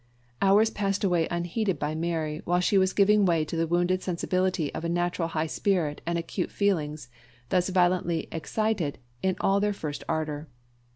Hours passed away unheeded by Mary, while she was giving way to the wounded sensibility of a naturally high spirit and acute feelings, thus violently excited in all their first ardour.